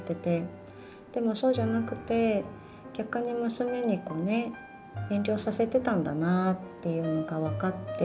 でもそうじゃなくて逆に娘にこうね遠慮させてたんだなっていうのが分かって。